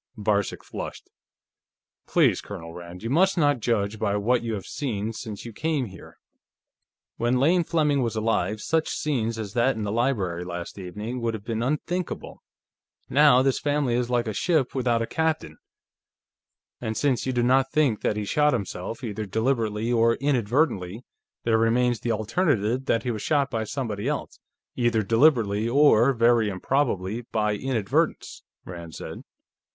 Varcek flushed. "Please, Colonel Rand, you must not judge by what you have seen since you came here. When Lane Fleming was alive, such scenes as that in the library last evening would have been unthinkable. Now, this family is like a ship without a captain." "And since you do not think that he shot himself, either deliberately or inadvertently, there remains the alternative that he was shot by somebody else, either deliberately or, very improbably, by inadvertence," Rand said.